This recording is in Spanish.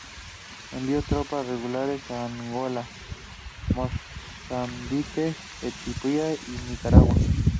Envió tropas regulares a Angola, Mozambique, Etiopía y Nicaragua.